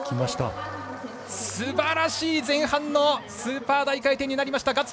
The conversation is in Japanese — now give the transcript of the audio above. すばらしい前半のスーパー大回転になりました。